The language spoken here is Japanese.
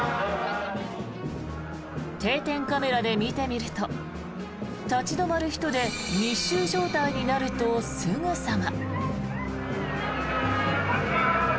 定点カメラで見てみると立ち止まる人で密集状態になるとすぐさま。